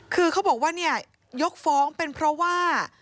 คือเขาบอกว่าเนี่ยยกฟ้องเป็นเพราะว่า